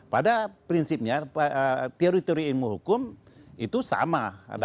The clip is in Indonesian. pada prinsipnya teori teori ilmu hukum itu sama